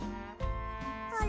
あれ？